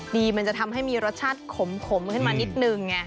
ดีมันจะทำให้มีรสชาติขมขึ้นมานิดนึงไง